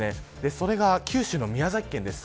それが九州の宮崎県です。